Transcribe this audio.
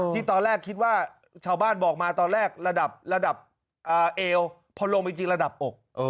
ที่ตอนแรกคิดว่าชาวบ้านบอกมาตอนแรกระดับระดับเอวพอลงไปจริงระดับอก